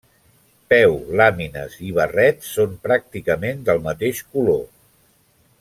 Peu, làmines i barret són pràcticament del mateix color.